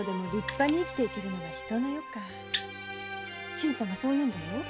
新さんがそういうんだよ。